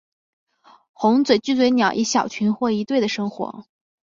红嘴巨嘴鸟以小群或一对的生活。